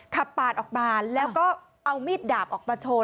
ปาดออกมาแล้วก็เอามีดดาบออกมาโชว์